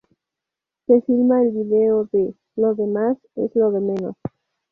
Se filma el video de "Lo demás es lo de menos".